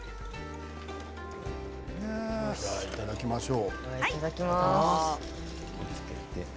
いただきましょう。